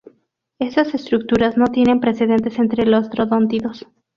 Estas estructuras no tienen precedentes entre los troodóntidos.